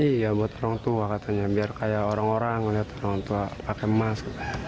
iya buat orang tua katanya biar kayak orang orang melihat orang tua pakai emas